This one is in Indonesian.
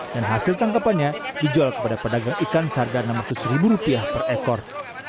dan hasil tangkapannya dijual kepada pedagang ikan seharga rp enam ratus per ekor